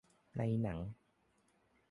ในหนัง